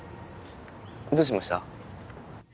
どうしました？